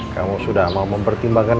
kamu sudah mau mempertimbangkan